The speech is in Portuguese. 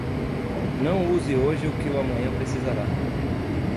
Não use hoje o que o amanhã precisará.